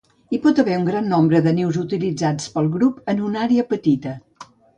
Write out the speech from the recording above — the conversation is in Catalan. Hi pot haver un gran nombre de nius utilitzats pel grup en una àrea petita.